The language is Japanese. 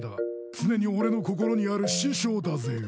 常に俺の心にある師匠だぜよ。